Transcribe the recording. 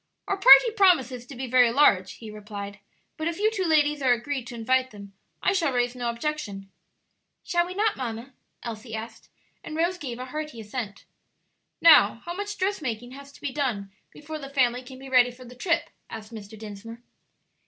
"Our party promises to be very large," he replied; "but if you two ladies are agreed to invite them I shall raise no objection." "Shall we not, mamma?" Elsie asked, and Rose gave a hearty assent. "Now, how much dressmaking has to be done before the family can be ready for the trip?" asked Mr. Dinsmore.